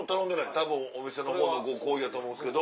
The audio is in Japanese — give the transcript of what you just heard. たぶんお店のほうのご厚意やと思うんですけど。